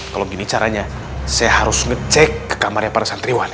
kalau gini caranya saya harus ngecek ke kamarnya para santriwan